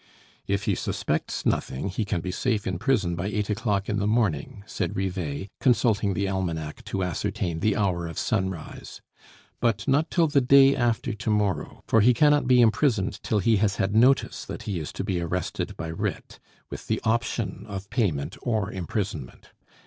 "If he suspects nothing, he can be safe in prison by eight o'clock in the morning," said Rivet, consulting the almanac to ascertain the hour of sunrise; "but not till the day after to morrow, for he cannot be imprisoned till he has had notice that he is to be arrested by writ, with the option of payment or imprisonment.